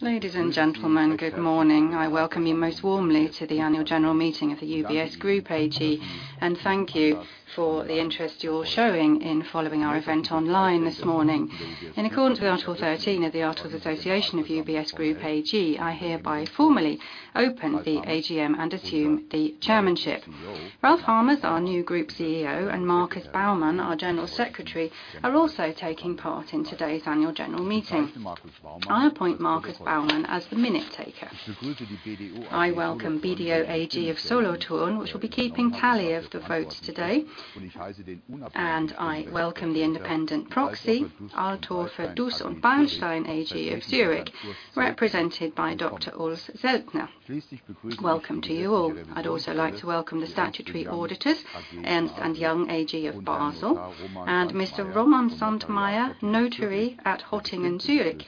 Ladies and gentlemen, good morning. I welcome you most warmly to the Annual General Meeting of the UBS Group AG, and thank you for the interest you're showing in following our event online this morning. In accordance with Article 13 of the Articles of Association of UBS Group AG, I hereby formally open the AGM and assume the Chairmanship. Ralph Hamers, our new Group CEO, and Markus Baumann, our General Secretary, are also taking part in today's Annual General Meeting. I appoint Markus Baumann as the minute taker. I welcome BDO AG of Solothurn, which will be keeping tally of the votes today, and I welcome the Independent Proxy, ADB Altorfer Duss & Beilstein AG of Zurich, represented by Dr. Urs Zeltner. Welcome to you all. I'd also like to welcome the statutory auditors, Ernst & Young Ltd of Basel, and Mr. Roman Sandmayr, Notary at Hottingen-Zürich,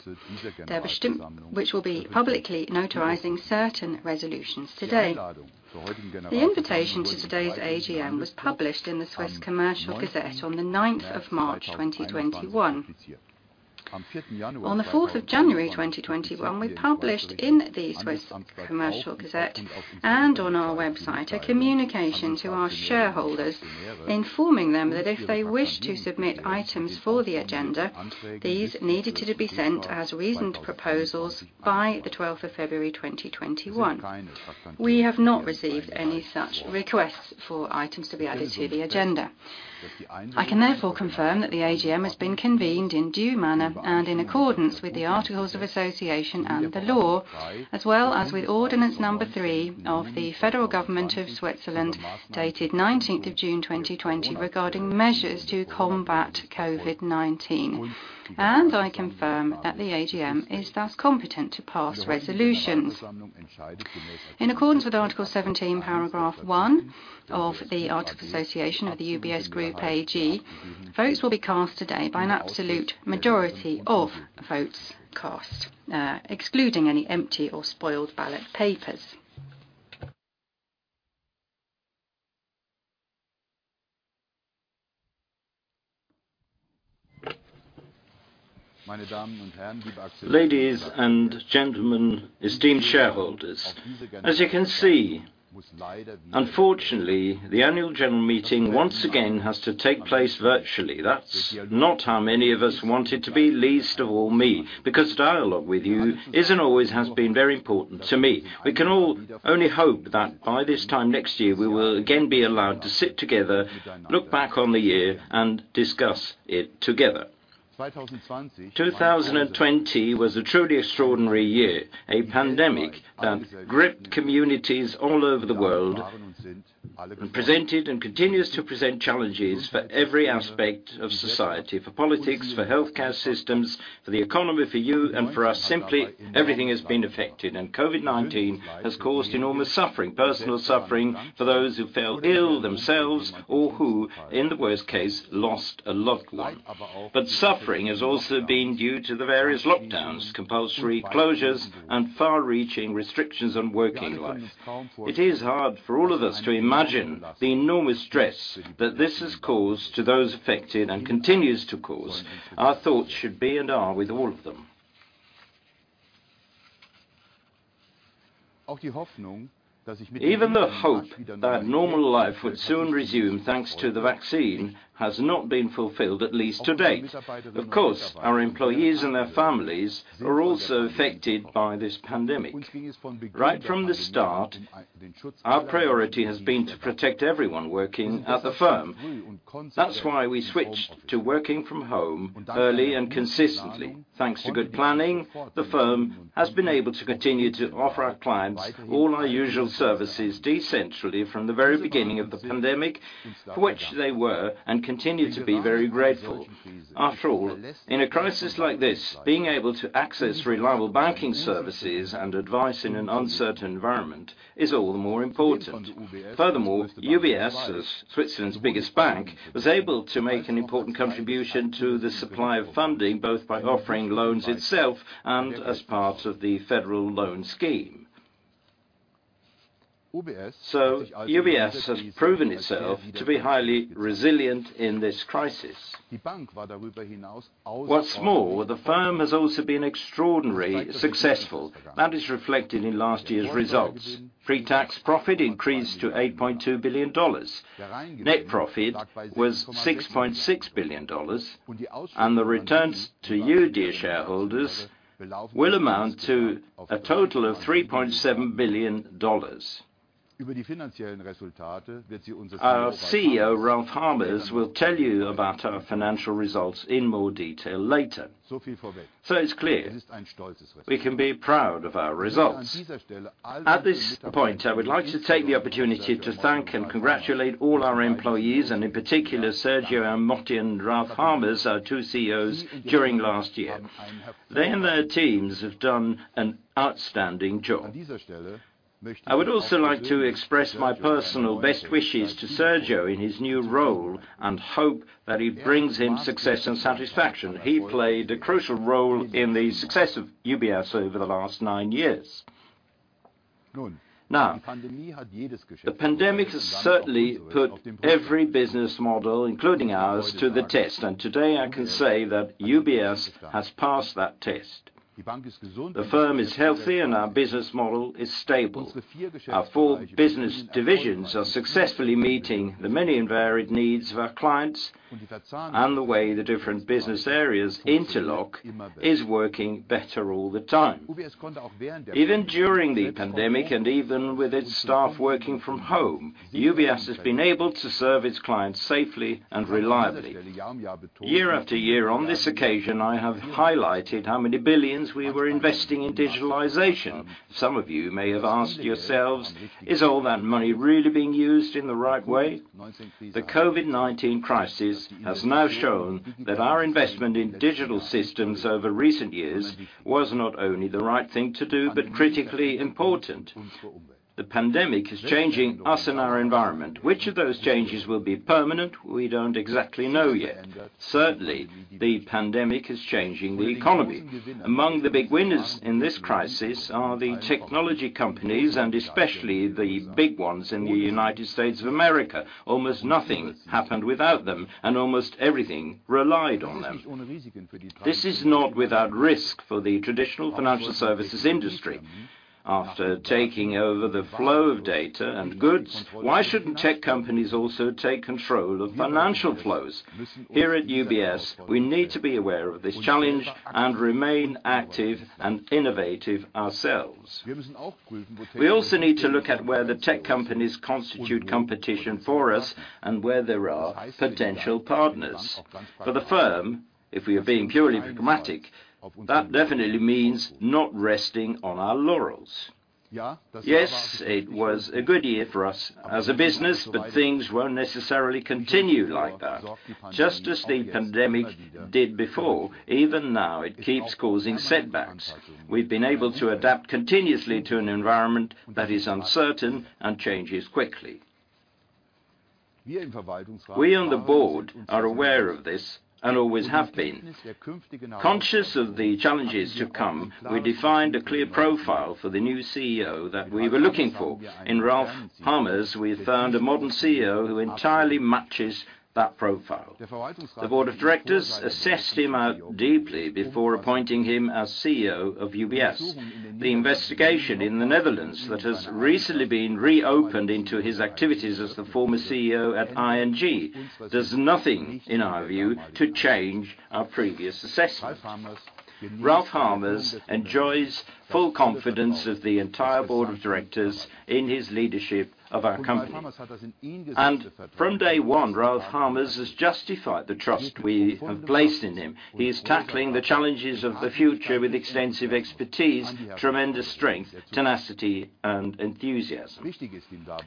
which will be publicly notarizing certain resolutions today. The invitation to today's AGM was published in the Swiss Official Gazette of Commerce on the 9th of March 2021. On the 4th of January 2021, we published in the Swiss Official Gazette of Commerce and on our website a communication to our shareholders informing them that if they wish to submit items for the agenda, these needed to be sent as reasoned proposals by the 12th of February 2021. We have not received any such requests for items to be added to the agenda. I can therefore confirm that the AGM has been convened in due manner and in accordance with the Articles of Association and the law, as well as with ordinance number three of the Federal Government of Switzerland, dated 19th of June 2020 regarding measures to combat COVID-19, and I confirm that the AGM is thus competent to pass resolutions. In accordance with Article 17, Paragraph 1 of the Articles of Association of the UBS Group AG, votes will be cast today by an absolute majority of votes cast, excluding any empty or spoiled ballot papers. Ladies and gentlemen, esteemed shareholders. As you can see, unfortunately, the Annual General Meeting once again has to take place virtually. That's not how many of us want it to be, least of all me, because dialogue with you is and always has been very important to me. We can all only hope that by this time next year, we will again be allowed to sit together, look back on the year, and discuss it together. 2020 was a truly extraordinary year. A pandemic that gripped communities all over the world and presented and continues to present challenges for every aspect of society, for politics, for healthcare systems, for the economy, for you, and for us, simply everything has been affected. COVID-19 has caused enormous suffering, personal suffering for those who fell ill themselves or who, in the worst case, lost a loved one. Suffering has also been due to the various lockdowns, compulsory closures, and far-reaching restrictions on working life. It is hard for all of us to imagine the enormous stress that this has caused to those affected and continues to cause. Our thoughts should be and are with all of them. Even the hope that normal life would soon resume, thanks to the vaccine, has not been fulfilled, at least to date. Of course, our employees and their families were also affected by this pandemic. Right from the start, our priority has been to protect everyone working at the firm. That's why we switched to working from home early and consistently. Thanks to good planning, the firm has been able to continue to offer our clients all our usual services decentrally from the very beginning of the pandemic, for which they were and continue to be very grateful. After all, in a crisis like this, being able to access reliable banking services and advice in an uncertain environment is all the more important. UBS, as Switzerland's biggest bank, was able to make an important contribution to the supply of funding, both by offering loans itself and as part of the federal loan scheme. UBS has proven itself to be highly resilient in this crisis. What's more, the firm has also been extraordinary successful. That is reflected in last year's results. Pre-tax profit increased to $8.2 billion. Net profit was $6.6 billion. The returns to you, dear shareholders, will amount to a total of $3.7 billion. Our CEO, Ralph Hamers, will tell you about our financial results in more detail later. It's clear we can be proud of our results. At this point, I would like to take the opportunity to thank and congratulate all our employees, and in particular, Sergio Ermotti and Ralph Hamers, our two CEOs during last year. They and their teams have done an outstanding job. I would also like to express my personal best wishes to Sergio in his new role and hope that it brings him success and satisfaction. He played a crucial role in the success of UBS over the last nine years. Now, the pandemic has certainly put every business model, including ours, to the test, and today I can say that UBS has passed that test. The firm is healthy, and our business model is stable. Our four business divisions are successfully meeting the many and varied needs of our clients, and the way the different business areas interlock is working better all the time. Even during the pandemic and even with its staff working from home, UBS has been able to serve its clients safely and reliably. Year after year, on this occasion, I have highlighted how many billions we were investing in digitalization. Some of you may have asked yourselves, "Is all that money really being used in the right way?" The COVID-19 crisis has now shown that our investment in digital systems over recent years was not only the right thing to do, but critically important. The pandemic is changing us and our environment. Which of those changes will be permanent, we don't exactly know yet. Certainly, the pandemic is changing the economy. Among the big winners in this crisis are the technology companies, and especially the big ones in the United States of America. Almost nothing happened without them, and almost everything relied on them. This is not without risk for the traditional financial services industry. After taking over the flow of data and goods, why shouldn't tech companies also take control of financial flows? Here at UBS, we need to be aware of this challenge and remain active and innovative ourselves. We also need to look at where the tech companies constitute competition for us and where there are potential partners. For the firm, if we are being purely pragmatic, that definitely means not resting on our laurels. It was a good year for us as a business, but things won't necessarily continue like that. Just as the pandemic did before, even now it keeps causing setbacks. We've been able to adapt continuously to an environment that is uncertain and changes quickly. We on the Board are aware of this and always have been. Conscious of the challenges to come, we defined a clear profile for the new CEO that we were looking for. In Ralph Hamers, we found a modern CEO who entirely matches that profile. The Board of Directors assessed him deeply before appointing him as CEO of UBS. The investigation in the Netherlands that has recently been reopened into his activities as the former CEO at ING does nothing, in our view, to change our previous assessment. Ralph Hamers enjoys full confidence of the entire Board of Directors in his leadership of our company. From day one, Ralph Hamers has justified the trust we have placed in him. He is tackling the challenges of the future with extensive expertise, tremendous strength, tenacity, and enthusiasm.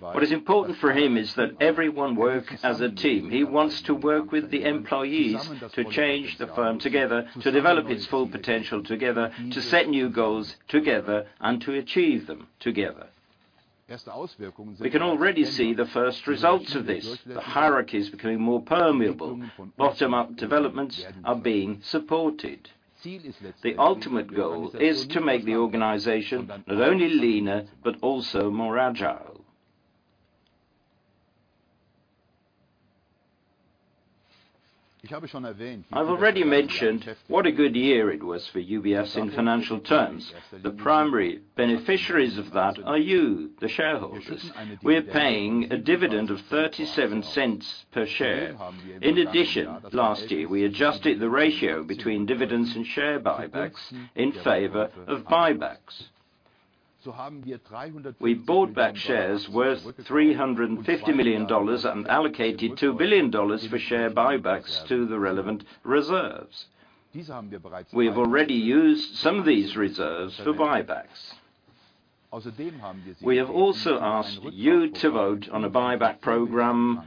What is important for him is that everyone work as a team. He wants to work with the employees to change the firm together, to develop its full potential together, to set new goals together, and to achieve them together. We can already see the first results of this. The hierarchy is becoming more permeable. Bottom-up developments are being supported. The ultimate goal is to make the organization not only leaner, but also more agile. I've already mentioned what a good year it was for UBS in financial terms. The primary beneficiaries of that are you, the shareholders. We're paying a dividend of 0.37 per share. In addition, last year, we adjusted the ratio between dividends and share buybacks in favor of buybacks. We bought back shares worth CHF 350 million and allocated CHF 2 billion for share buybacks to the relevant reserves. We have already used some of these reserves for buybacks. We have also asked you to vote on a buyback program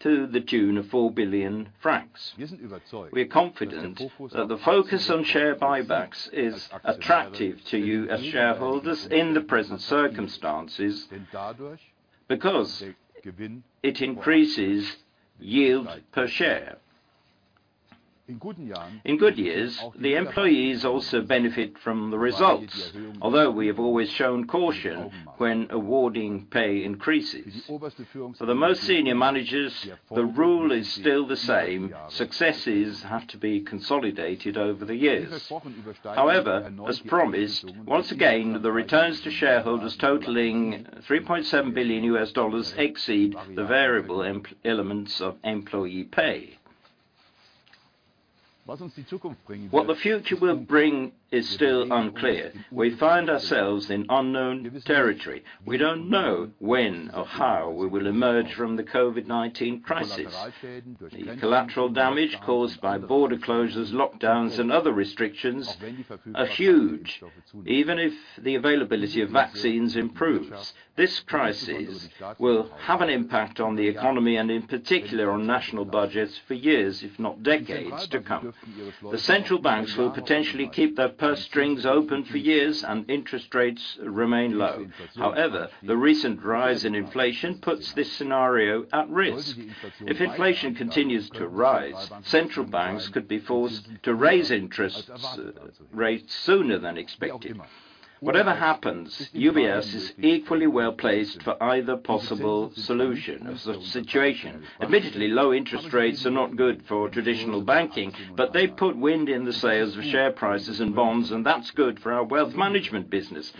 to the tune of 4 billion francs. We are confident that the focus on share buybacks is attractive to you as shareholders in the present circumstances, because it increases yield per share. In good years, the employees also benefit from the results, although we have always shown caution when awarding pay increases. For the most senior managers, the rule is still the same. Successes have to be consolidated over the years. However, as promised, once again, the returns to shareholders totaling $3.7 billion exceed the variable elements of employee pay. What the future will bring is still unclear. We find ourselves in unknown territory. We don't know when or how we will emerge from the COVID-19 crisis. The collateral damage caused by border closures, lockdowns, and other restrictions are huge. Even if the availability of vaccines improves, this crisis will have an impact on the economy and, in particular, on national budgets for years, if not decades to come. The central banks will potentially keep their purse strings open for years, and interest rates remain low. However, the recent rise in inflation puts this scenario at risk. If inflation continues to rise, central banks could be forced to raise interest rates sooner than expected. Whatever happens, UBS is equally well-placed for either possible solution of the situation. Admittedly, low interest rates are not good for traditional banking, but they put wind in the sails of share prices and bonds, and that's good for our wealth management business.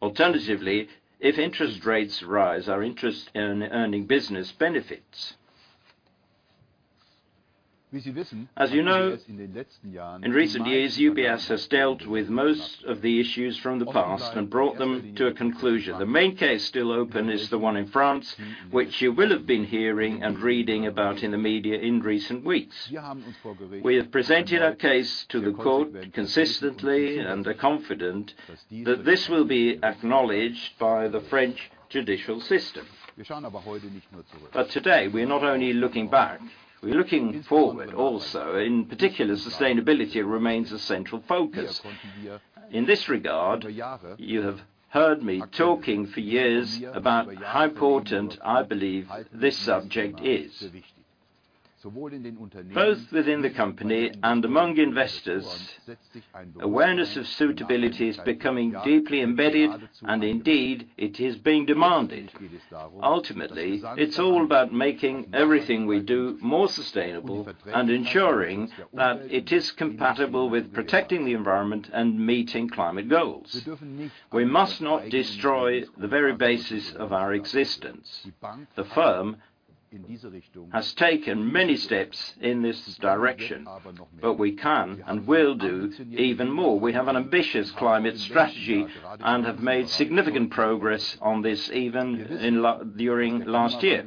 Alternatively, if interest rates rise, our interest-earning business benefits. As you know, in recent years, UBS has dealt with most of the issues from the past and brought them to a conclusion. The main case still open is the one in France, which you will have been hearing and reading about in the media in recent weeks. We have presented our case to the court consistently and are confident that this will be acknowledged by the French judicial system. Today, we are not only looking back, we are looking forward also. In particular, sustainability remains a central focus. In this regard, you have heard me talking for years about how important I believe this subject is. Both within the company and among investors, awareness of sustainability is becoming deeply embedded, and indeed, it is being demanded. Ultimately, it's all about making everything we do more sustainable and ensuring that it is compatible with protecting the environment and meeting climate goals. We must not destroy the very basis of our existence. The firm has taken many steps in this direction, but we can and will do even more. We have an ambitious climate strategy and have made significant progress on this even during last year.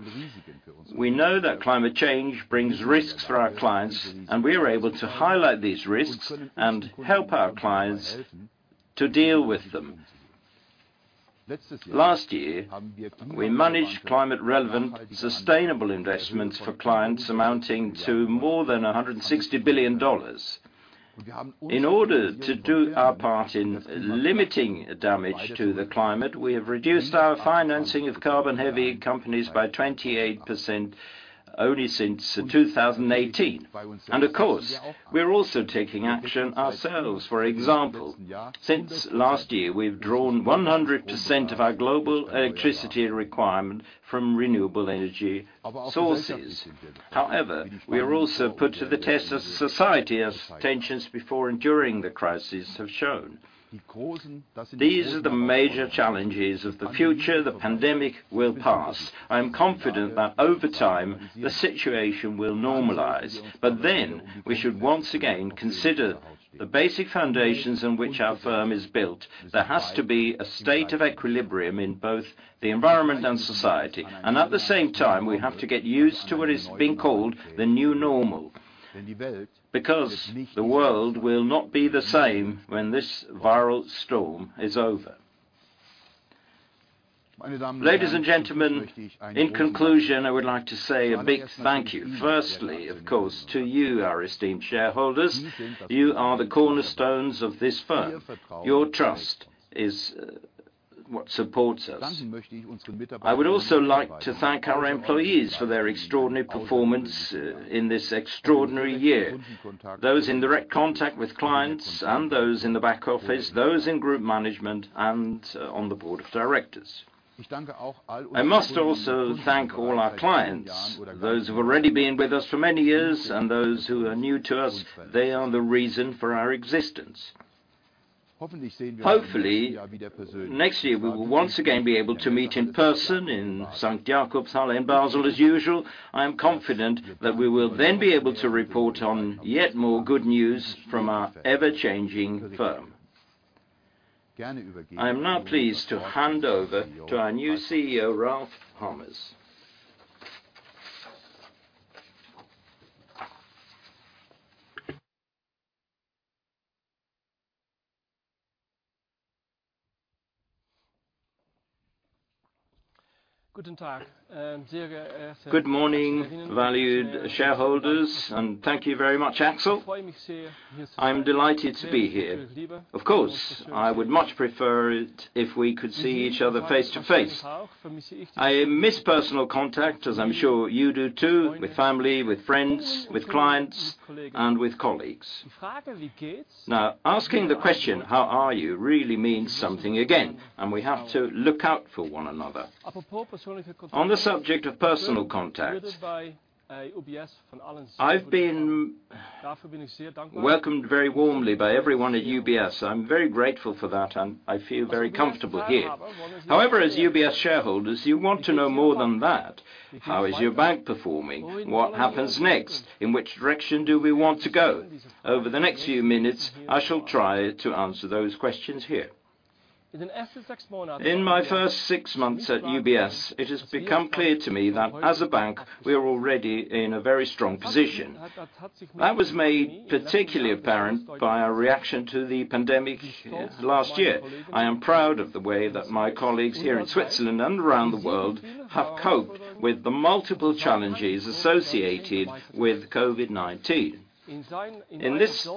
We know that climate change brings risks for our clients, and we are able to highlight these risks and help our clients to deal with them. Last year, we managed climate relevant sustainable investments for clients amounting to more than $160 billion. In order to do our part in limiting damage to the climate, we have reduced our financing of carbon-heavy companies by 28% only since 2018. Of course, we are also taking action ourselves. For example, since last year, we've drawn 100% of our global electricity requirement from renewable energy sources. However, we are also put to the test as society, as tensions before and during the crisis have shown. These are the major challenges of the future. The pandemic will pass. I am confident that over time the situation will normalize, but then we should once again consider the basic foundations on which our firm is built. There has to be a state of equilibrium in both the environment and society, and at the same time, we have to get used to what is being called the new normal, because the world will not be the same when this viral storm is over. Ladies and gentlemen, in conclusion, I would like to say a big thank you. Firstly, of course, to you, our esteemed shareholders. You are the cornerstones of this firm. Your trust is what supports us. I would also like to thank our employees for their extraordinary performance in this extraordinary year. Those in direct contact with clients and those in the back office, those in group management and on the Board of Directors. I must also thank all our clients, those who've already been with us for many years and those who are new to us. They are the reason for our existence. Hopefully, next year we will once again be able to meet in person in St. Jakobshalle in Basel as usual. I am confident that we will then be able to report on yet more good news from our ever-changing firm. I am now pleased to hand over to our new CEO, Ralph Hamers. Good morning, valued shareholders, and thank you very much, Axel. I'm delighted to be here. Of course, I would much prefer it if we could see each other face-to-face. I miss personal contact, as I'm sure you do too, with family, with friends, with clients, and with colleagues. Asking the question, how are you? Really means something again, and we have to look out for one another. On the subject of personal contact, I've been welcomed very warmly by everyone at UBS. I'm very grateful for that, and I feel very comfortable here. As UBS shareholders, you want to know more than that. How is your bank performing? What happens next? In which direction do we want to go? Over the next few minutes, I shall try to answer those questions here. In my first six months at UBS, it has become clear to me that as a bank, we are already in a very strong position. That was made particularly apparent by our reaction to the pandemic last year. I am proud of the way that my colleagues here in Switzerland and around the world have coped with the multiple challenges associated with COVID-19. In this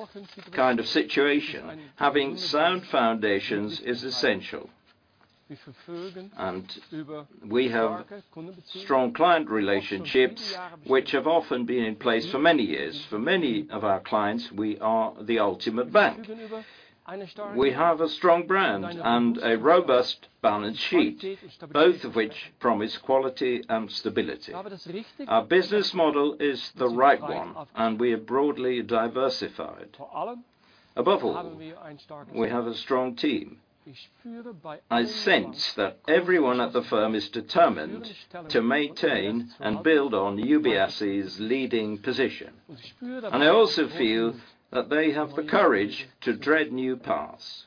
kind of situation, having sound foundations is essential. We have strong client relationships, which have often been in place for many years. For many of our clients, we are the ultimate bank. We have a strong brand and a robust balance sheet, both of which promise quality and stability. Our business model is the right one, and we are broadly diversified. Above all, we have a strong team. I sense that everyone at the firm is determined to maintain and build on UBS's leading position. I also feel that they have the courage to tread new paths.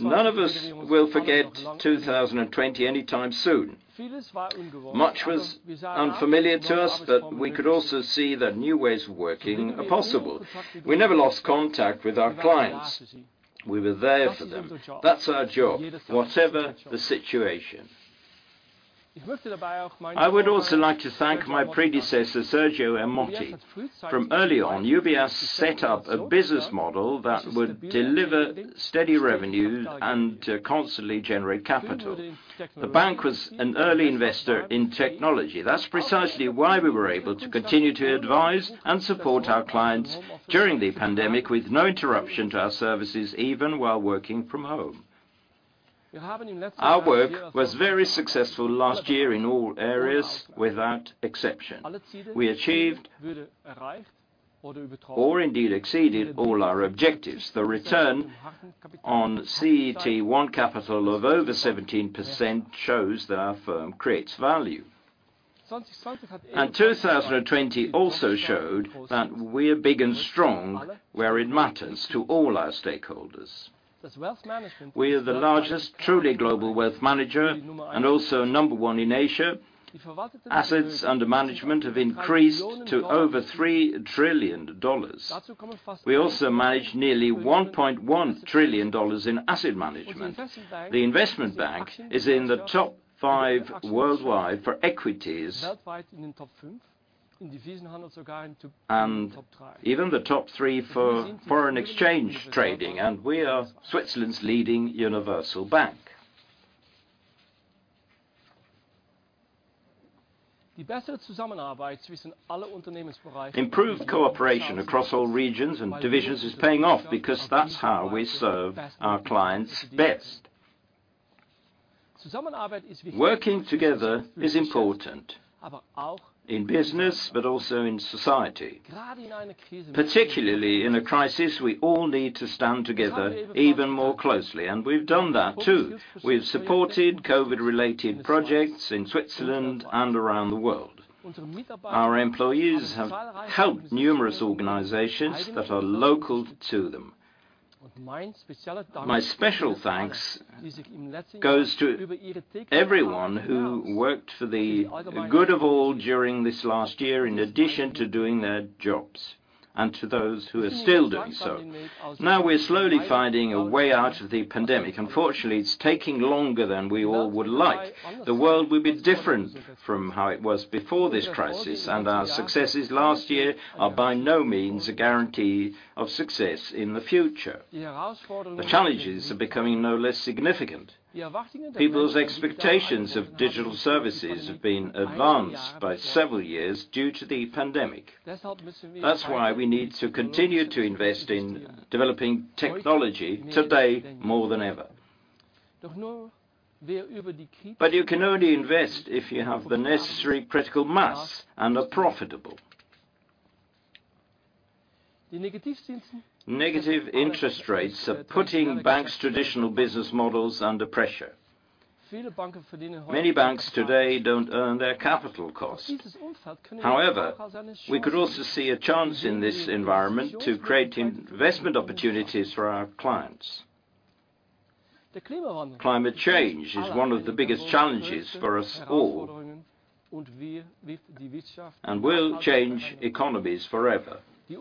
None of us will forget 2020 anytime soon. Much was unfamiliar to us, but we could also see that new ways of working are possible. We never lost contact with our clients. We were there for them. That's our job, whatever the situation. I would also like to thank my predecessor, Sergio Ermotti. From early on, UBS set up a business model that would deliver steady revenue and constantly generate capital. The bank was an early investor in technology. That's precisely why we were able to continue to advise and support our clients during the pandemic with no interruption to our services, even while working from home. Our work was very successful last year in all areas without exception. We achieved or indeed exceeded all our objectives. The return on CET1 capital of over 17% shows that our firm creates value. 2020 also showed that we're big and strong, where it matters to all our stakeholders. We are the largest truly global wealth manager and also number one in Asia. Assets under management have increased to over CHF 3 trillion. We also manage nearly CHF 1.1 trillion in asset management. The investment bank is in the top five worldwide for equities, and even the top three for foreign exchange trading, and we are Switzerland's leading universal bank. Improved cooperation across all regions and divisions is paying off because that's how we serve our clients best. Working together is important, in business but also in society. Particularly in a crisis, we all need to stand together even more closely, and we've done that too. We've supported COVID-related projects in Switzerland and around the world. Our employees have helped numerous organizations that are local to them. My special thanks goes to everyone who worked for the good of all during this last year in addition to doing their jobs, and to those who are still doing so. We're slowly finding a way out of the pandemic. Unfortunately, it's taking longer than we all would like. The world will be different from how it was before this crisis, and our successes last year are by no means a guarantee of success in the future. The challenges are becoming no less significant. People's expectations of digital services have been advanced by several years due to the pandemic. That's why we need to continue to invest in developing technology today more than ever. You can only invest if you have the necessary critical mass and are profitable. Negative interest rates are putting banks' traditional business models under pressure. Many banks today don't earn their capital costs. However, we could also see a chance in this environment to create investment opportunities for our clients. Climate change is one of the biggest challenges for us all and will change economies forever. The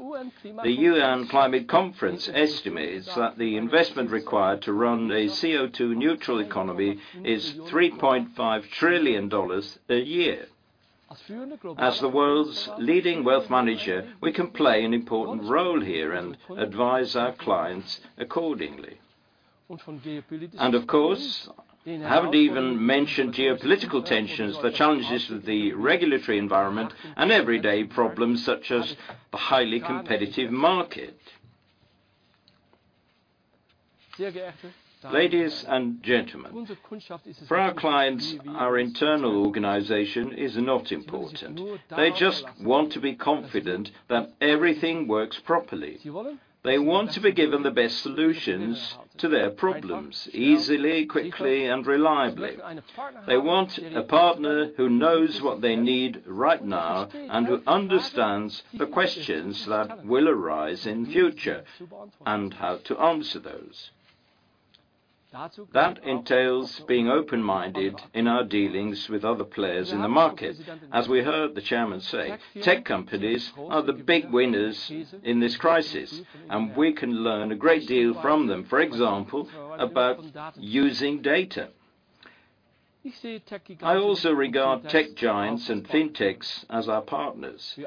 UN Climate Change Conference estimates that the investment required to run a CO2 neutral economy is $3.5 trillion a year. As the world's leading wealth manager, we can play an important role here and advise our clients accordingly. Of course, I haven't even mentioned geopolitical tensions, the challenges of the regulatory environment, and everyday problems such as the highly competitive market. Ladies and gentlemen, for our clients, our internal organization is not important. They just want to be confident that everything works properly. They want to be given the best solutions to their problems easily, quickly, and reliably. They want a partner who knows what they need right now and who understands the questions that will arise in future, and how to answer those. That entails being open-minded with our dealings with other players in the market. As we heard the Chairman say, tech companies are the big winners in this crisis, and we can learn a great deal from them, for example, about using data. I also regard tech giants and fintechs as our partners,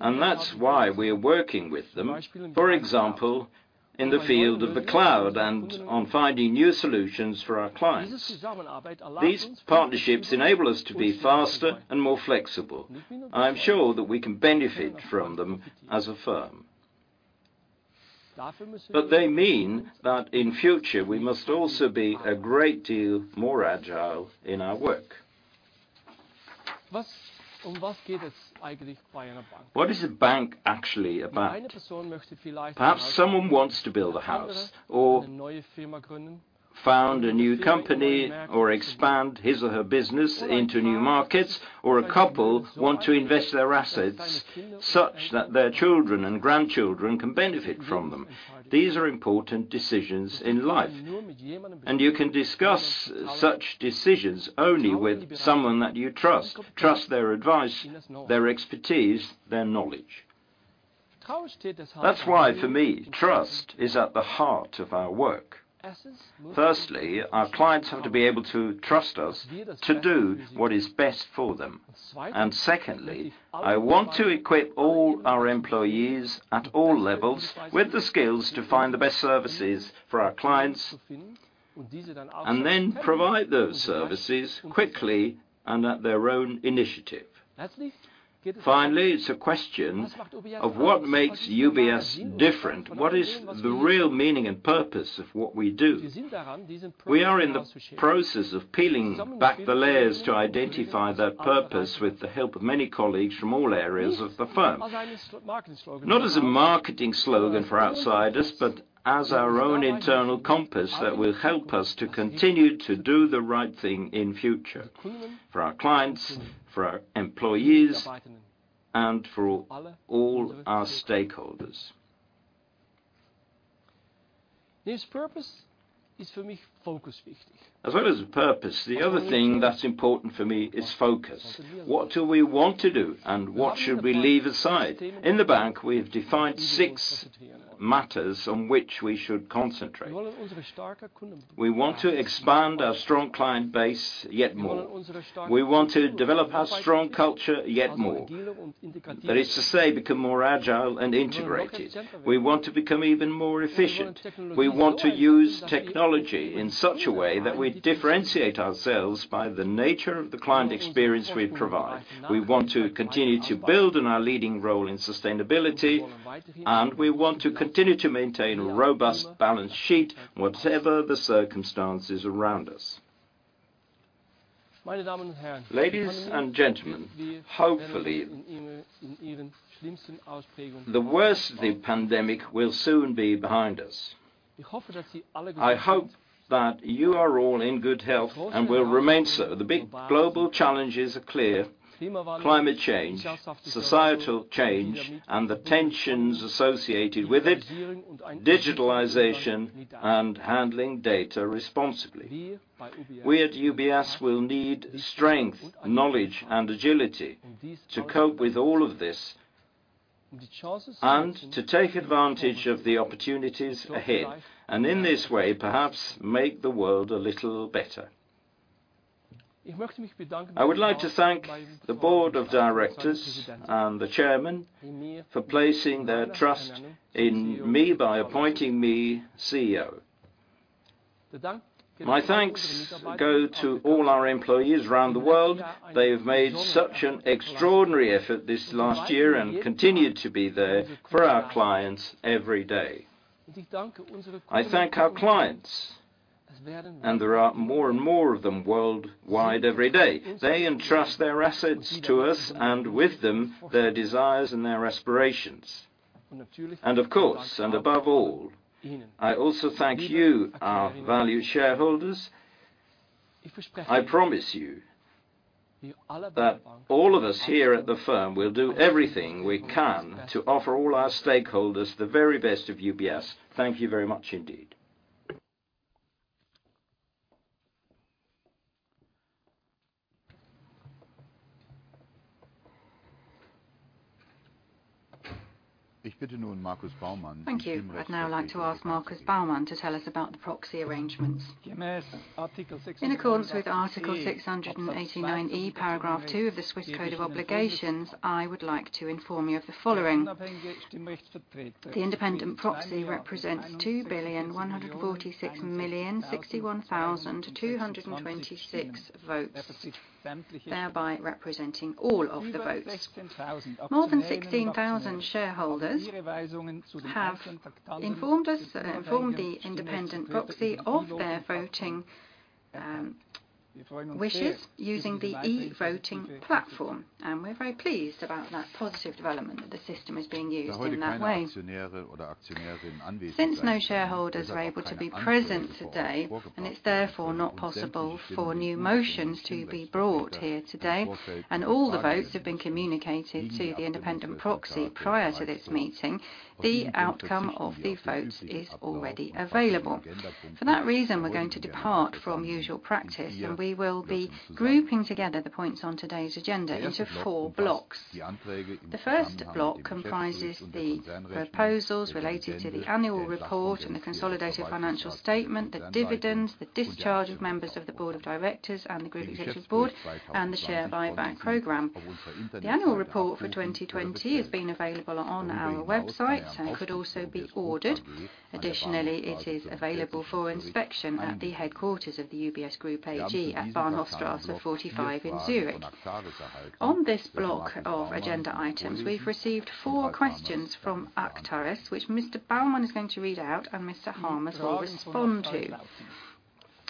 and that's why we are working with them, for example, in the field of the cloud and on finding new solutions for our clients. These partnerships enable us to be faster and more flexible. I am sure that we can benefit from them as a firm. They mean that in future we must also be a great deal more agile in our work. What is a bank actually about? Perhaps someone wants to build a house or found a new company or expand his or her business into new markets, or a couple want to invest their assets such that their children and grandchildren can benefit from them. These are important decisions in life, and you can discuss such decisions only with someone that you trust. Trust their advice, their expertise, their knowledge. That's why for me, trust is at the heart of our work. Firstly, our clients have to be able to trust us to do what is best for them. Secondly, I want to equip all our employees at all levels with the skills to find the best services for our clients, and then provide those services quickly and at their own initiative. Finally, it's a question of what makes UBS different. What is the real meaning and purpose of what we do? We are in the process of peeling back the layers to identify that purpose with the help of many colleagues from all areas of the firm. Not as a marketing slogan for outsiders, but as our own internal compass that will help us to continue to do the right thing in future, for our clients, for our employees, and for all our stakeholders. As well as purpose, the other thing that's important for me is focus. What do we want to do and what should we leave aside? In the bank, we have defined six matters on which we should concentrate. We want to expand our strong client base yet more. We want to develop our strong culture yet more. That is to say, become more agile and integrated. We want to become even more efficient. We want to use technology in such a way that we differentiate ourselves by the nature of the client experience we provide. We want to continue to build on our leading role in sustainability, and we want to continue to maintain a robust balance sheet, whatever the circumstances around us. Ladies and gentlemen, hopefully, the worst of the pandemic will soon be behind us. I hope that you are all in good health and will remain so. The big global challenges are clear: climate change, societal change and the tensions associated with it, digitalization, and handling data responsibly. We at UBS will need strength, knowledge and agility to cope with all of this and to take advantage of the opportunities ahead, and in this way, perhaps make the world a little better. I would like to thank the Board of Directors and the Chairman for placing their trust in me by appointing me CEO. My thanks go to all our employees around the world. They've made such an extraordinary effort this last year and continue to be there for our clients every day. I thank our clients, and there are more and more of them worldwide every day. They entrust their assets to us and with them their desires and their aspirations. Of course, and above all, I also thank you, our valued shareholders. I promise you that all of us here at the firm will do everything we can to offer all our stakeholders the very best of UBS. Thank you very much indeed. Thank you. I'd now like to ask Markus Baumann to tell us about the proxy arrangements. In accordance with Article 689e, Paragraph 2 of the Swiss Code of Obligations, I would like to inform you of the following. The independent proxy represents 2,146,061,626 votes, thereby representing all of the votes. More than 16,000 shareholders have informed the independent proxy of their voting wishes using the e-voting platform, and we're very pleased about that positive development that the system is being used in that way. Since no shareholders were able to be present today, and it's therefore not possible for new motions to be brought here today, and all the votes have been communicated to the independent proxy prior to this meeting, the outcome of the votes is already available. For that reason, we're going to depart from usual practice, and we will be grouping together the points on today's agenda into four blocks. The first block comprises the proposals related to the annual report and the consolidated financial statement, the dividend, the discharge of members of the Board of Directors and the Group Executive Board, and the share buyback program. The annual report for 2020 has been available on our website and could also be ordered. Additionally, it is available for inspection at the headquarters of the UBS Group AG at Bahnhofstrasse 45 in Zurich. On this block of agenda items, we've received four questions from Actares, which Mr. Baumann is going to read out and Mr. Hamers will respond to.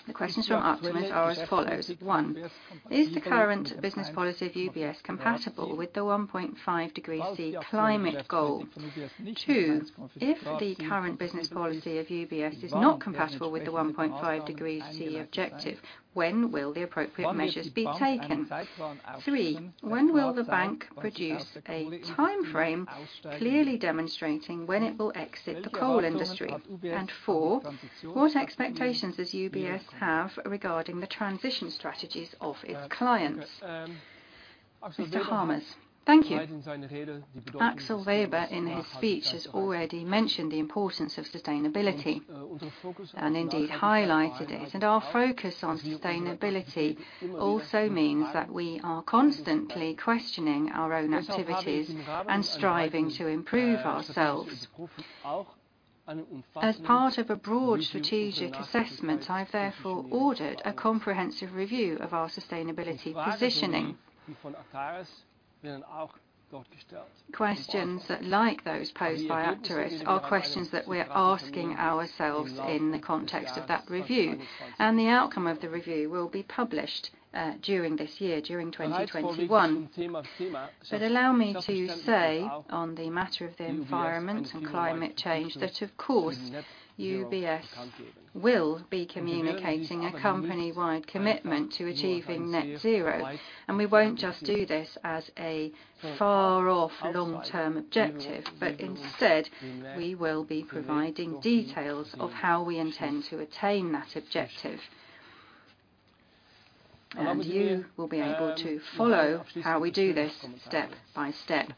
The questions from Actares are as follows. One, is the current business policy of UBS compatible with the 1.5 degree C climate goal? Two, if the current business policy of UBS is not compatible with the 1.5 degree Celsius objective, when will the appropriate measures be taken? Three, when will the bank produce a timeframe clearly demonstrating when it will exit the coal industry? Four, what expectations does UBS have regarding the transition strategies of its clients? Mr. Hamers. Thank you. Axel Weber, in his speech, has already mentioned the importance of sustainability, and indeed highlighted it. Our focus on sustainability also means that we are constantly questioning our own activities and striving to improve ourselves. As part of a broad strategic assessment, I've therefore ordered a comprehensive review of our sustainability positioning. Questions like those posed by Actares are questions that we're asking ourselves in the context of that review, and the outcome of the review will be published during this year, during 2021. Allow me to say, on the matter of the environment and climate change, that of course, UBS will be communicating a company-wide commitment to achieving net zero. We won't just do this as a far-off long-term objective, but instead, we will be providing details of how we intend to attain that objective. You will be able to follow how we do this step by step.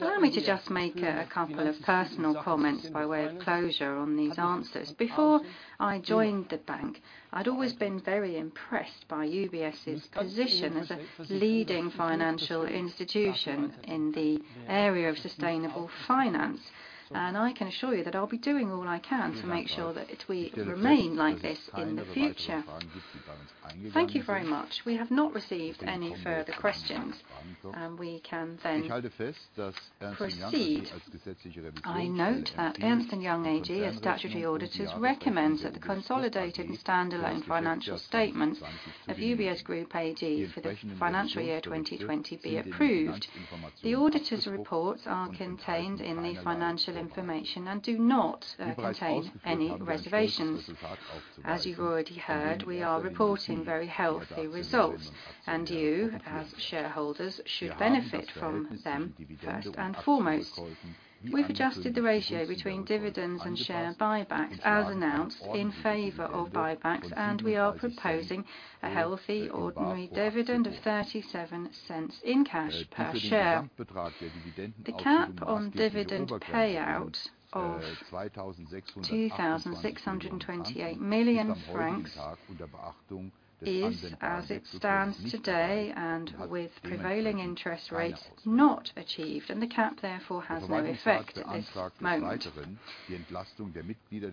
Allow me to just make a couple of personal comments by way of closure on these answers. Before I joined the bank, I'd always been very impressed by UBS's position as a leading financial institution in the area of sustainable finance, and I can assure you that I'll be doing all I can to make sure that we remain like this in the future. Thank you very much. We have not received any further questions, and we can then proceed. I note that Ernst & Young Ltd, as statutory auditors, recommends that the consolidated standalone financial statements of UBS Group AG for the financial year 2020 be approved. The auditor's reports are contained in the financial information and do not contain any reservations. As you've already heard, we are reporting very healthy results, and you, as shareholders, should benefit from them first and foremost. We've adjusted the ratio between dividends and share buybacks, as announced, in favor of buybacks, and we are proposing a healthy ordinary dividend of 0.37 in cash per share. The cap on dividend payout of 2,628 million francs is, as it stands today, and with prevailing interest rates, not achieved, and the cap therefore has no effect at this moment.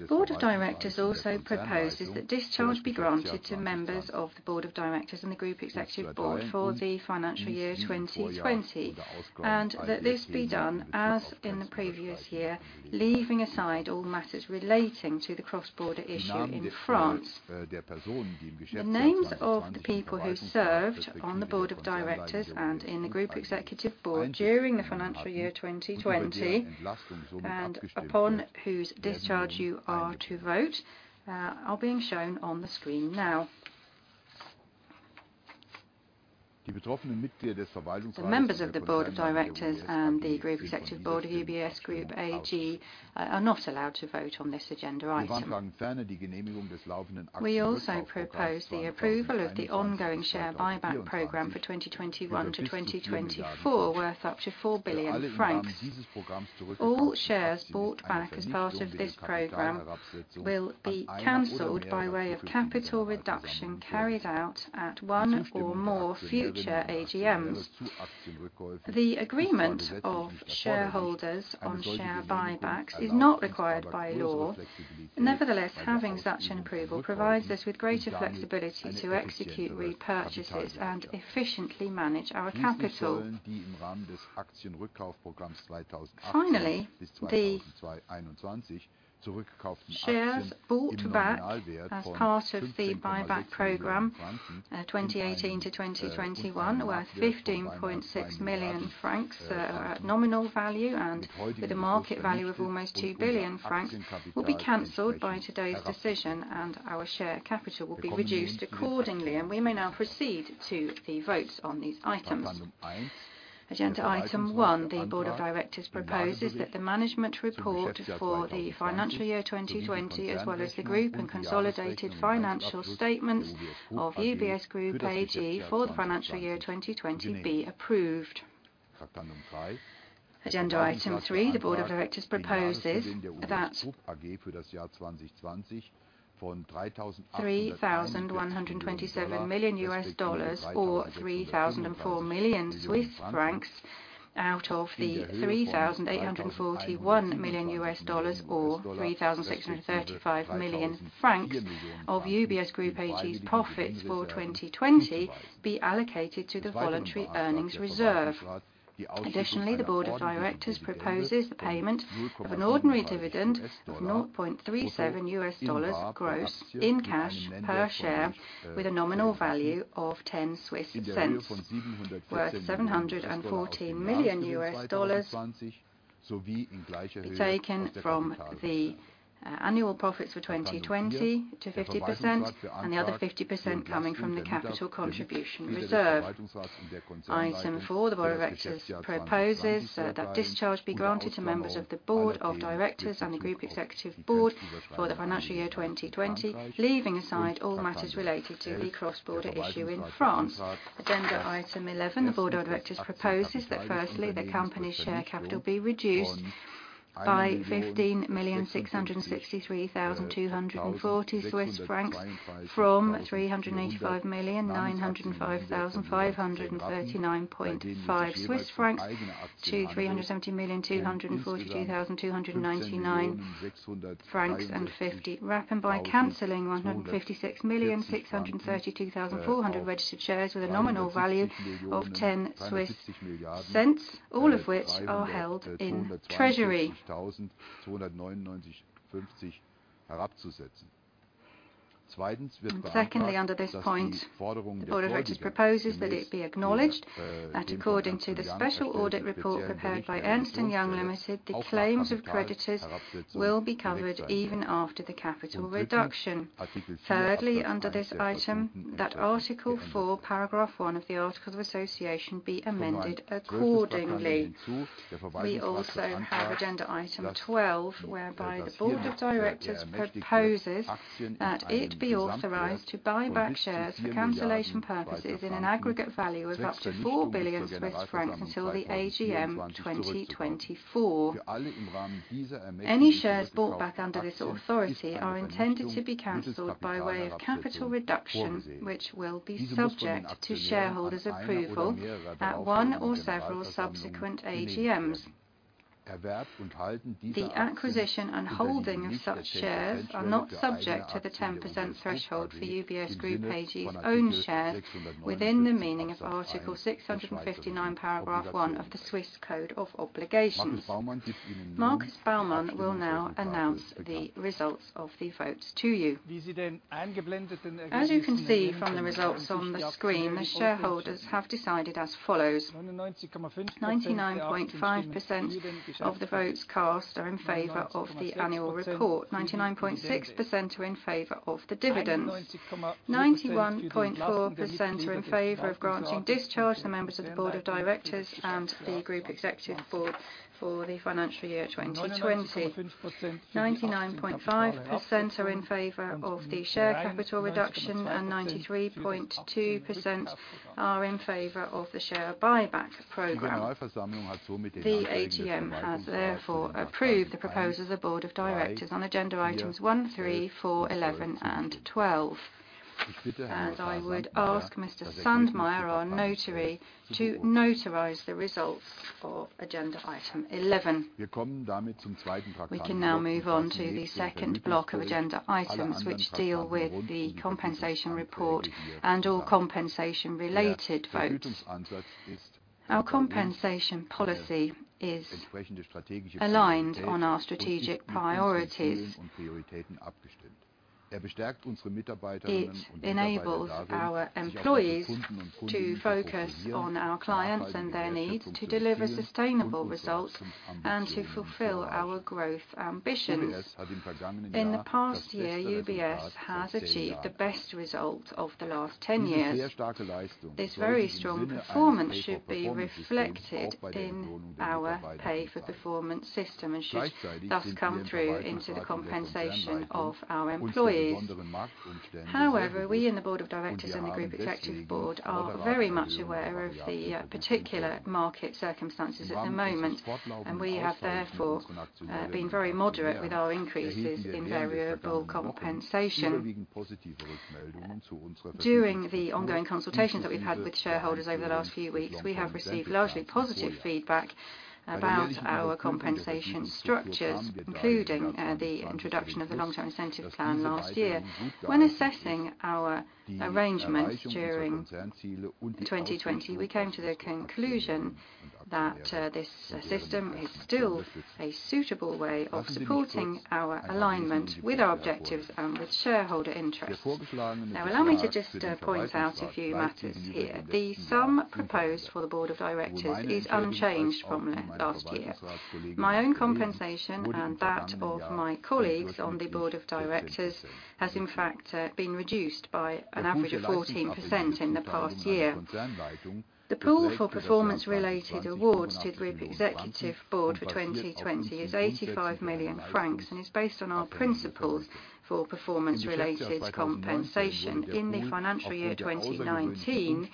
Board of Directors also proposes that discharge be granted to members of the Board of Directors and the Group Executive Board for the financial year 2020, and that this be done, as in the previous year, leaving aside all matters relating to the cross-border issue in France. The names of the people who served on the Board of Directors and in the Group Executive Board during the financial year 2020, and upon whose discharge you are to vote, are being shown on the screen now. The members of the Board of Directors and the Group Executive Board of UBS Group AG are not allowed to vote on this agenda item. We also propose the approval of the ongoing share buyback program for 2021 to 2024, worth up to 4 billion francs. All shares bought back as part of this program will be canceled by way of capital reduction carried out at one or more future AGMs. The agreement of shareholders on share buybacks is not required by law. Nevertheless, having such an approval provides us with greater flexibility to execute repurchases and efficiently manage our capital. Finally, the shares bought back as part of the buyback program 2018 to 2021, worth 15.6 million francs at nominal value, and with a market value of almost 2 billion francs, will be canceled by today's decision and our share capital will be reduced accordingly. We may now proceed to the votes on these items. Agenda item one, the Board of Directors proposes that the management report for the financial year 2020, as well as the group and consolidated financial statements of UBS Group AG for the financial year 2020 be approved. Agenda item three, the Board of Directors proposes that $3,127 million, or 3,004 million Swiss francs, out of the $3,841 million or CHF 3,635 million of UBS Group AG's profits for 2020 be allocated to the voluntary earnings reserve. Additionally, the Board of Directors proposes the payment of an ordinary dividend of $0.37 gross in cash per share with a nominal value of 0.10, worth $714 million, be taken from the annual profits for 2020 to 50%, and the other 50% coming from the capital contribution reserve. Item four, the Board of Directors proposes that discharge be granted to members of the Board of Directors and the Group Executive Board for the financial year 2020, leaving aside all matters related to the cross-border issue in France. Agenda item 11, the Board of Directors proposes that firstly, the company's share capital be reduced by 15,663,240 Swiss francs from 385,905,539.5 Swiss francs to 370,242,299.50 francs and by canceling 156,632,400 registered shares with a nominal value of 0.10, all of which are held in treasury. Secondly, under this point, the Board of Directors proposes that it be acknowledged that according to the special audit report prepared by Ernst & Young Ltd, the claims of creditors will be covered even after the capital reduction. Thirdly, under this item, that Article 4, Paragraph 1 of the Articles of Association be amended accordingly. We also have Agenda item 12, whereby the Board of Directors proposes that it be authorized to buy back shares for cancellation purposes in an aggregate value of up to 4 billion Swiss francs until the AGM 2024. Any shares bought back under this authority are intended to be canceled by way of capital reduction, which will be subject to shareholders' approval at one or several subsequent AGMs. The acquisition and holding of such shares are not subject to the 10% threshold for UBS Group AG's own shares within the meaning of Article 659, Paragraph 1 of the Swiss code of obligations. Markus Baumann will now announce the results of the votes to you. As you can see from the results on the screen, the shareholders have decided as follows: 99.5% of the votes cast are in favor of the annual report, 99.6% are in favor of the dividends, 91.4% are in favor of granting discharge to the members of the Board of Directors and the group executive board for the financial year 2020. 99.5% are in favor of the share capital reduction, and 93.2% are in favor of the share buyback program. The AGM has therefore approved the proposals of Board of Directors on agenda items 1, 3, 4, 11, and 12. I would ask Mr. Sandmayr, our notary, to notarize the results for agenda item 11. We can now move on to the second block of agenda items, which deal with the compensation report and all compensation-related votes. Our compensation policy is aligned on our strategic priorities. It enables our employees to focus on our clients and their needs to deliver sustainable results and to fulfill our growth ambitions. In the past year, UBS has achieved the best results of the last 10 years. This very strong performance should be reflected in our pay-for-performance system and should thus come through into the compensation of our employees. However, we in the Board of Directors and the group executive board are very much aware of the particular market circumstances at the moment, and we have therefore been very moderate with our increases in variable compensation. During the ongoing consultations that we've had with shareholders over the last few weeks, we have received largely positive feedback about our compensation structures, including the introduction of the long-term incentive plan last year. When assessing our arrangements during 2020, we came to the conclusion that this system is still a suitable way of supporting our alignment with our objectives and with shareholder interests. Now, allow me to just point out a few matters here. The sum proposed for the Board of Directors is unchanged from last year. My own compensation and that of my colleagues on the Board of Directors has in fact been reduced by an average of 14% in the past year. The pool for performance-related awards to the Group Executive Board for 2020 is 85 million francs and is based on our principles for performance-related compensation. In the financial year 2019,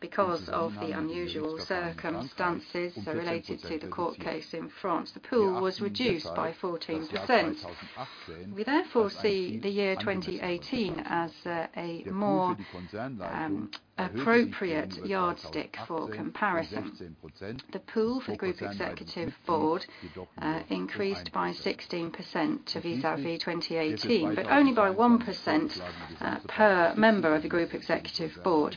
because of the unusual circumstances related to the court case in France, the pool was reduced by 14%. We therefore see the year 2018 as a more appropriate yardstick for comparison. The pool for Group Executive Board increased by 16% vis-à-vis 2018, but only by 1% per member of the Group Executive Board.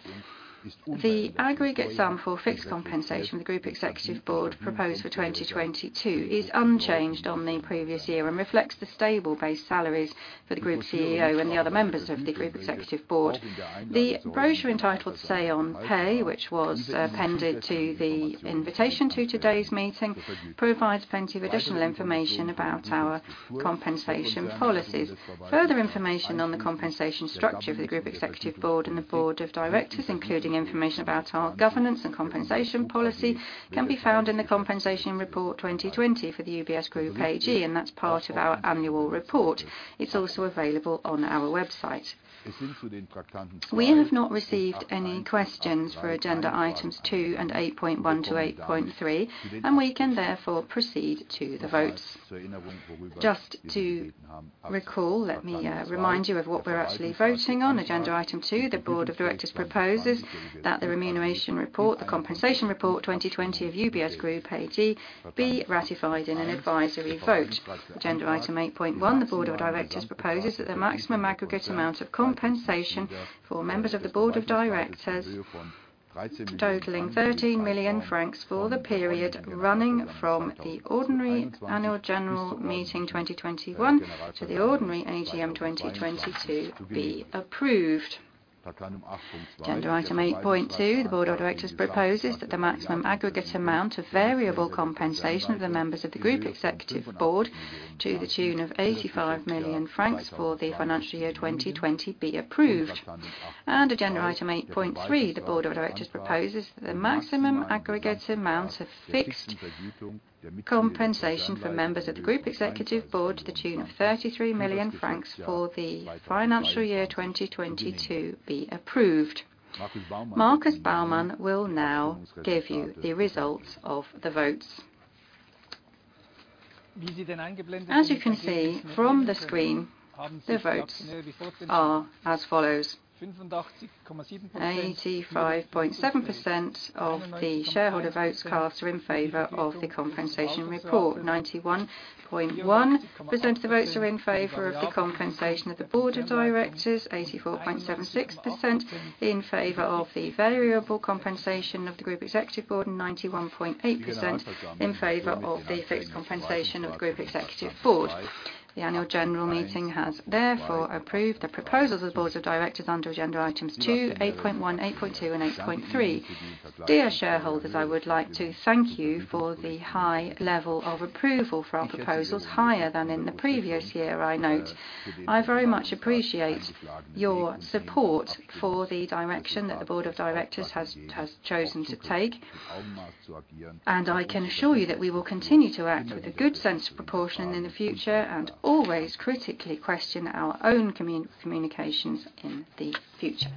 The aggregate sum for fixed compensation of the Group Executive Board proposed for 2022 is unchanged on the previous year and reflects the stable base salaries for the Group CEO and the other members of the Group Executive Board. The brochure entitled Say on Pay, which was appended to the invitation to today's meeting, provides plenty of additional information about our compensation policies. Further information on the compensation structure for the Group Executive Board and the Board of Directors, including information about our governance and compensation policy, can be found in the compensation report 2020 for the UBS Group AG. That's part of our annual report. It's also available on our website. We have not received any questions for agenda items 2 and 8.1 to 8.3. We can therefore proceed to the votes. Just to recall, let me remind you of what we're actually voting on. Agenda item 2, the Board of Directors proposes that the remuneration report, the compensation report 2020 of UBS Group AG be ratified in an advisory vote. Agenda item 8.1, the Board of Directors proposes that the maximum aggregate amount of compensation for members of the Board of Directors totaling 13 million francs for the period running from the ordinary Annual General Meeting 2021 to the ordinary AGM 2022 be approved. Agenda item 8.2, the Board of Directors proposes that the maximum aggregate amount of variable compensation of the members of the Group Executive Board to the tune of 85 million francs for the financial year 2020 be approved. Agenda item 8.3, the Board of Directors proposes that the maximum aggregate amount of fixed compensation for members of the Group Executive Board to the tune of 33 million francs for the financial year 2020 to be approved. Markus Baumann will now give you the results of the votes. As you can see from the screen, the votes are as follows: 85.7% of the shareholder votes cast are in favor of the compensation report. 91.1% of the votes are in favor of the compensation of the Board of Directors, 84.76% in favor of the variable compensation of the Group Executive Board, and 91.8% in favor of the fixed compensation of the Group Executive Board. The Annual General Meeting has therefore approved the proposals of the Board of Directors under agenda items two, 8.1, 8.2 and 8.3. Dear shareholders, I would like to thank you for the high level of approval for our proposals, higher than in the previous year, I note. I very much appreciate your support for the direction that the Board of Directors has chosen to take, and I can assure you that we will continue to act with a good sense of proportion in the future and always critically question our own communications in the future.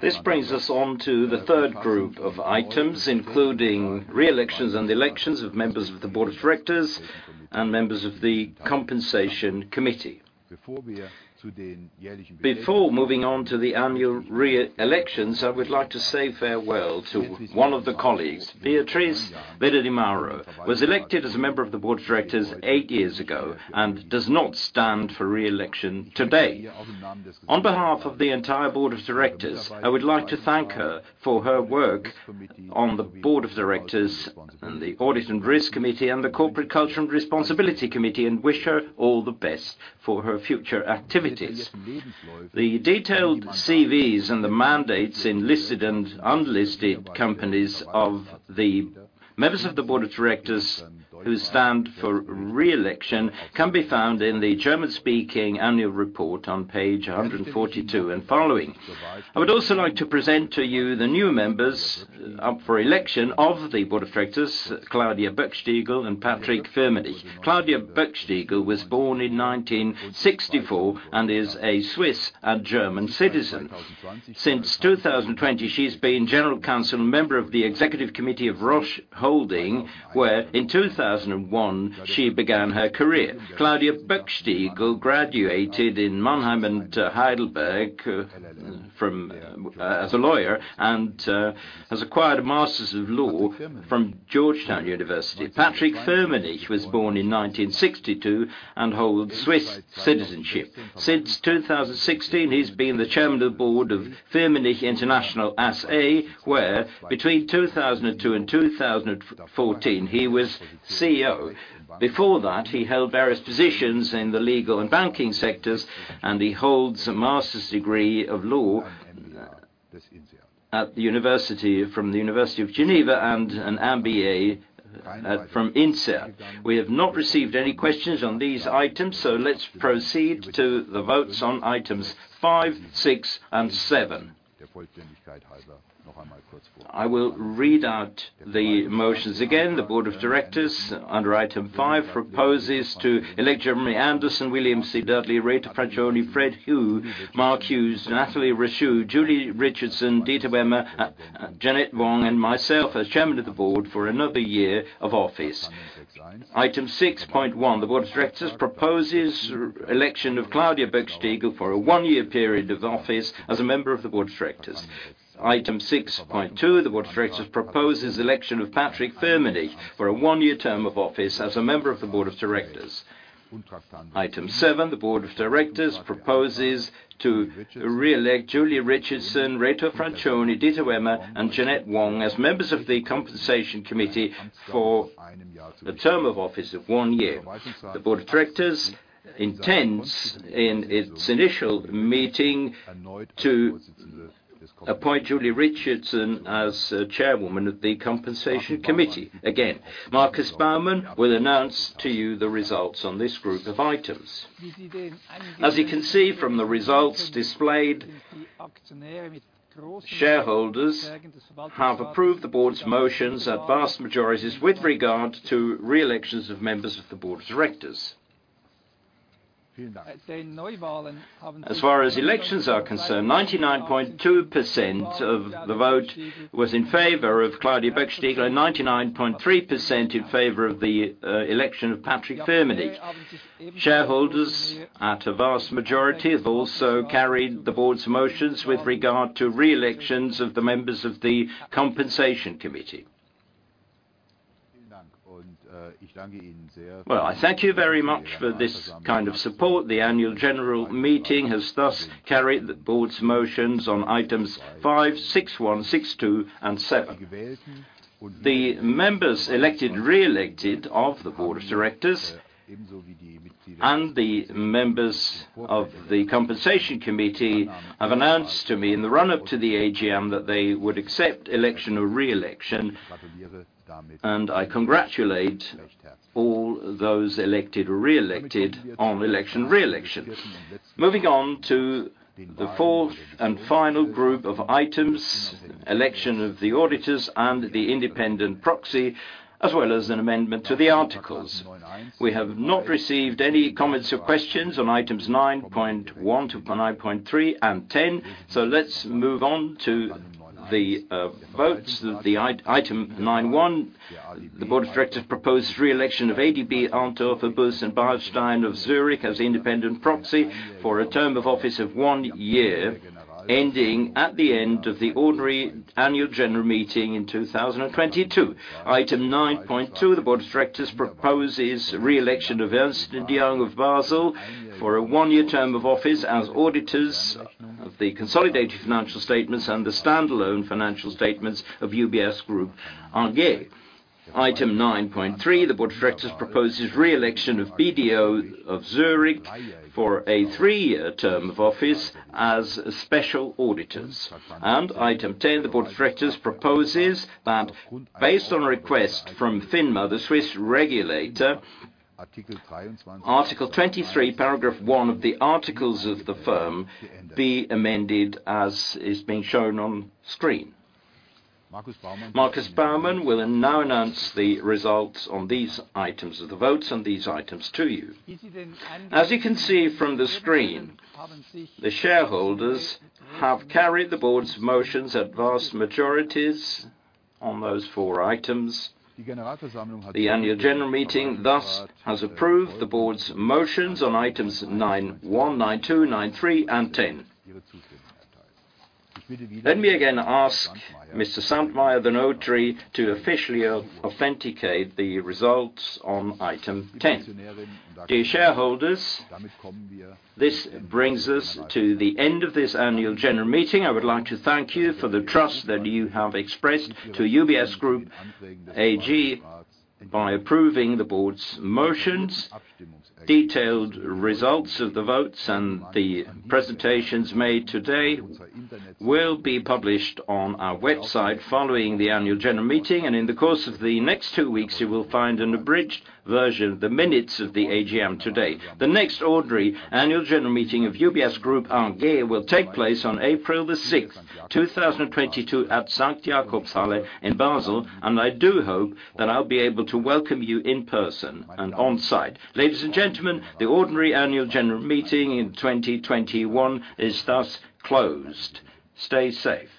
This brings us on to the third group of items, including re-elections and elections of members of the Board of Directors and members of the Compensation Committee. Before moving on to the annual re-elections, I would like to say farewell to one of the colleagues. Beatrice Weder di Mauro was elected as a member of the Board of Directors eight years ago and does not stand for re-election today. On behalf of the entire Board of Directors, I would like to thank her for her work on the Board of Directors and the Audit and Risk Committee and the Corporate Culture and Responsibility Committee, and wish her all the best for her future activities. The detailed CVs and the mandates in listed and unlisted companies of the members of the Board of Directors who stand for re-election can be found in the German-speaking annual report on page 142 and following. I would also like to present to you the new members up for election of the Board of Directors, Claudia Böckstiegel and Patrick Firmenich. Claudia Böckstiegel was born in 1964 and is a Swiss and German citizen. Since 2020, she's been general counsel and member of the Executive Committee of Roche Holding, where in 2001 she began her career. Claudia Böckstiegel graduated in Mannheim and Heidelberg as a lawyer and has acquired a Masters of Law from Georgetown University. Patrick Firmenich was born in 1962 and holds Swiss citizenship. Since 2016, he's been the Chairman of the Board of Firmenich International SA, where between 2002 and 2014, he was CEO. Before that, he held various positions in the legal and banking sectors, and he holds a master's degree of law from the University of Geneva and an MBA from INSEAD. We have not received any questions on these items, so let's proceed to the votes on items five, six and seven. I will read out the motions again. The Board of Directors under item 5 proposes to elect Jeremy Anderson, William C. Dudley, Reto Francioni, Fred Hu, Mark Hughes, Nathalie Rachou, Julie Richardson, Dieter Wemmer, Jeanette Wong, and myself as Chairman of the Board for another year of office. Item 6.1, the Board of Directors proposes election of Claudia Böckstiegel for a one-year period of office as a member of the Board of Directors. Item 6.2, the Board of Directors proposes election of Patrick Firmenich for a one-year term of office as a member of the Board of Directors. Item 7, the Board of Directors proposes to reelect Julie Richardson, Reto Francioni, Dieter Wemmer, and Jeanette Wong as members of the Compensation Committee for the term of office of one year. The Board of Directors intends in its initial meeting to appoint Julie Richardson as chairwoman of the Compensation Committee again. Markus Baumann will announce to you the results on this group of items. As you can see from the results displayed, shareholders have approved the Board's motions at vast majorities with regard to reelections of members of the Board of Directors. As far as elections are concerned, 99.2% of the vote was in favor of Claudia Böckstiegel, and 99.3% in favor of the election of Patrick Firmenich. Shareholders, at a vast majority, have also carried the Board's motions with regard to reelections of the members of the Compensation Committee. Well, I thank you very much for this kind of support. The Annual General Meeting has thus carried the Board's motions on items five, six one, six two, and seven. The members elected and reelected of the Board of Directors and the members of the compensation committee have announced to me in the run-up to the AGM that they would accept election or reelection, and I congratulate all those elected or reelected on election and reelection. Moving on to the fourth and final group of items, election of the auditors and the independent proxy, as well as an amendment to the articles. We have not received any comments or questions on items 9.1 to 9.3 and 10. Let's move on to the votes. The item 9.1, the Board of Directors proposed reelection of ADB Altorfer Duss & Beilstein of Zurich as independent proxy for a term of office of one year, ending at the end of the ordinary Annual General Meeting in 2022. Item 9.2, the Board of Directors proposes reelection of Ernst & Young of Basel for a one-year term of office as auditors of the consolidated financial statements and the standalone financial statements of UBS Group AG. Item 9.3, the Board of Directors proposes reelection of BDO of Zurich for a three-year term of office as special auditors. Item 10, the Board of Directors proposes that based on a request from FINMA, the Swiss regulator, Article 23, Paragraph 1 of the articles of the firm be amended as is being shown on screen. Markus Baumann will now announce the results on these items of the votes on these items to you. As you can see from the screen, the shareholders have carried the board's motions at vast majorities on those four items. The Annual General Meeting, thus, has approved the board's motions on items 9.1, 9.2, 9.3, and 10. Let me again ask Mr. Sandmayr, the notary, to officially authenticate the results on item 10. Dear shareholders, this brings us to the end of this Annual General Meeting. I would like to thank you for the trust that you have expressed to UBS Group AG by approving the board's motions. Detailed results of the votes and the presentations made today will be published on our website following the Annual General Meeting. In the course of the next two weeks, you will find an abridged version of the minutes of the AGM today. The next ordinary Annual General Meeting of UBS Group AG will take place on April 6th, 2022, at St. Jakobshalle in Basel, and I do hope that I'll be able to welcome you in person and on-site. Ladies and gentlemen, the ordinary Annual General Meeting in 2021 is thus closed. Stay safe.